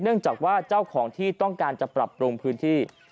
เนื่องจากว่าเจ้าของที่ต้องการจะปรับปรุงพื้นที่